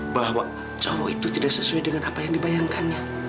bahwa cowok itu tidak sesuai dengan apa yang dibayangkannya